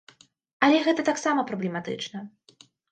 Але гэта таксама праблематычна.